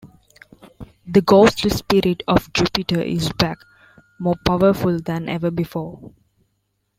The ghostly spirit of Jupiter is back, more powerful than ever before.